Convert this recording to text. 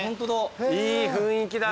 いい雰囲気だな。